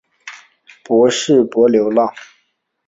昆士柏流浪